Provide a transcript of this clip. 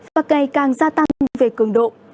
và cây càng gia tăng về cường độ